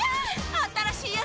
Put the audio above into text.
新しいやつ！